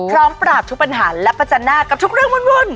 พร้อมปราบทุกปัญหาและประจันหน้ากับทุกเรื่องวุ่น